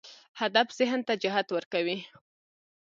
هدف ذهن ته جهت ورکوي.